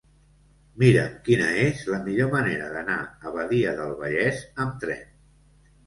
Mira'm quina és la millor manera d'anar a Badia del Vallès amb tren.